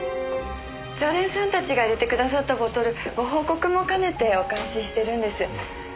常連さんたちが入れてくださったボトルご報告も兼ねてお返ししてるんです。